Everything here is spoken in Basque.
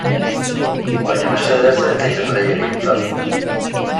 Baina mesedez, ez zaitez gehiegi luzatu.